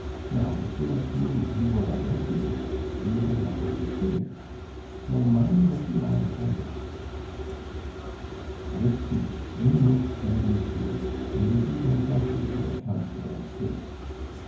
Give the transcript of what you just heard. Now if, like me, you were a Deputy, you would have nothing to fear; so mind what you are about." This speech, in the most friendly spirit, made a deep impression on the Councillor of State.